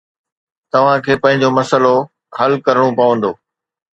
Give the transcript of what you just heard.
توهان کي پنهنجو مسئلو حل ڪرڻو پوندو